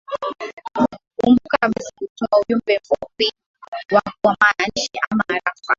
kumbuka basi kutuma ujumbe mfupi wa maandishi ama arafa